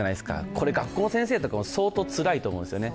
これ、学校の先生とかも相当つらいと思うんですよね。